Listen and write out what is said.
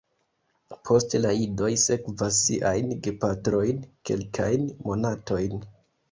Poste la idoj sekvas siajn gepatrojn kelkajn monatojn.